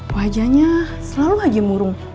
wajahnya selalu haji murung